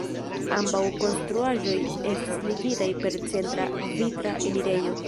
Ambaŭ konstruaĵoj estas ligitaj per centra vitra enirejo.